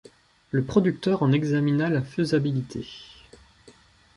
Le producteur en examine la faisabilité.